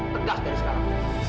tegas dari sekarang